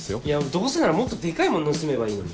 どうせならもっとデカいもん盗めばいいのに。